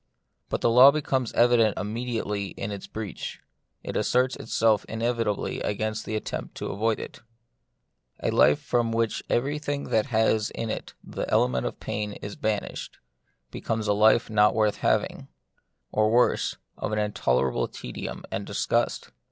But the law becomes evident immedi ately in its breach ; it asserts itself inevitably against the attempt to avoid it. A life from which everything that has in it the element of pain is banished, becomes a life not worth having ; or worse, of intolerable tedium and disgust.